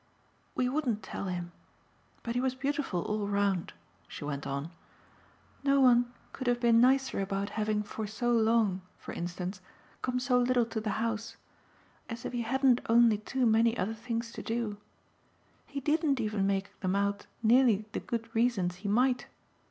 "We wouldn't tell him. But he was beautiful all round," she went on. "No one could have been nicer about having for so long, for instance, come so little to the house. As if he hadn't only too many other things to do! He didn't even make them out nearly the good reasons he might.